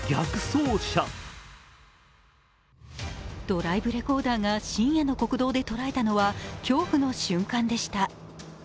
ドライブレコーダーが深夜の国道で捉えたのは恐怖の瞬間でした。